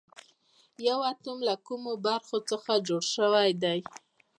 یو اتوم له کومو برخو څخه جوړ شوی دی